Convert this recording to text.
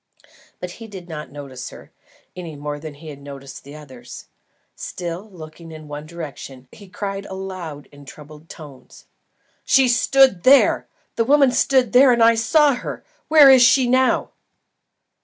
But he did not notice her, any more than he had noticed the others. Still looking in the one direction, he cried aloud in troubled tones: "She stood there! the woman stood there and I saw her! Where is she now?"